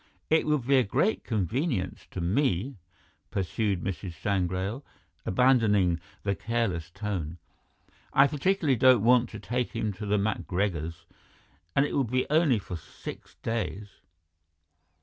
"It would be a great convenience to me," pursued Mrs. Sangrail, abandoning the careless tone. "I particularly don't want to take him to the MacGregors', and it will only be for six days."